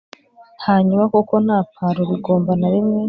hanyuma, nkuko nta palo bigomba na rimwe,